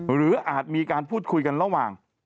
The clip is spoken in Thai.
อาจมีการพูดคุยกันระหว่าง